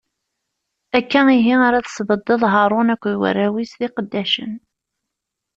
Akka ihi ara tesbeddeḍ Haṛun akked warraw-is d lqeddacen.